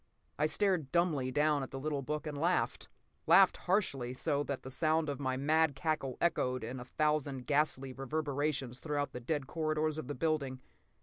I stared dumbly down at the little book and laughed. Laughed harshly, so that the sound of my mad cackle echoed in a thousand ghastly reverberations through the dead corridors of the building.